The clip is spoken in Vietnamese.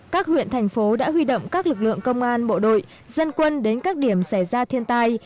các huyện thành phố đã huy động các lực lượng công an bộ đội dân quân đến các điểm xảy ra thiên tai